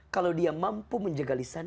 kalau dia mampu menjaga lisan